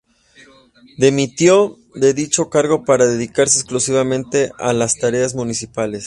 Dimitió de dicho cargo para dedicarse exclusivamente a las tareas municipales.